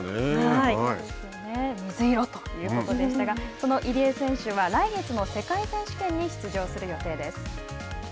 水色ということでしたがこの入江選手は来月の世界選手権に出場する予定